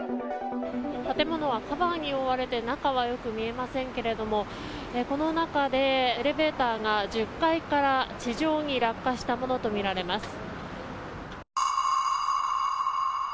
建物はカバーに覆われて中はよく見えませんけれどもこの中でエレベーターが１０階から地上に落下したものとみられます。